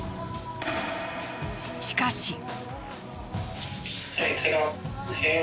しかし。